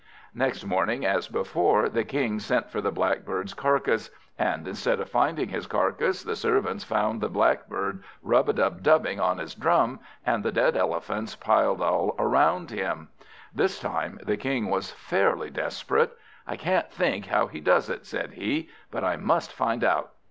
Next morning, as before, the King sent for the Blackbird's carcass; and, instead of finding his carcass, the servants found the Blackbird rub a dub dubbing on his drum, and the dead Elephants piled all round him. This time the King was fairly desperate. "I can't think how he does it," said he, "but I must find out.